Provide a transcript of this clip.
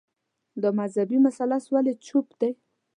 دا مذهبي مثلث ولي چوپ دی